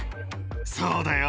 そうだよ。